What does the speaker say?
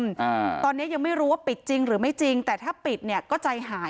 อ่าตอนเนี้ยยังไม่รู้ว่าปิดจริงหรือไม่จริงแต่ถ้าปิดเนี้ยก็ใจหาย